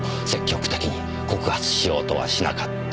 積極的に告発しようとはしなかった。